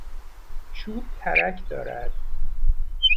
چوب ترک دارد.